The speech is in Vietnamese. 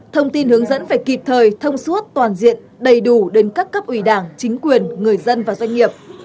thông tin hướng dẫn phải kịp thời thông suốt toàn diện đầy đủ đến các cấp ủy đảng chính quyền người dân và doanh nghiệp